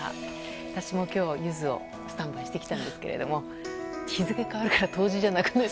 私も今日、ゆずをスタンバイしてきたんですが日付が変わったから冬至じゃなくなった。